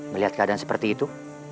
melihat keadaan seperti itu